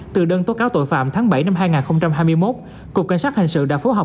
từ đơn tố cáo tội phạm tháng bảy năm hai nghìn hai mươi một cục cảnh sát hình sự đã phối hợp